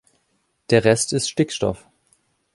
Der Rest ist Stickstoff.